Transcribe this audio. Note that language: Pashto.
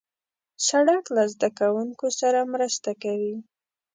سړک له زدهکوونکو سره مرسته کوي.